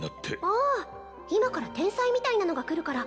ああ今から天災みたいなのが来るから